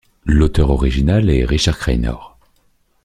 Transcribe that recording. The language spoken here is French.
L'auteur original est Richard Cranor.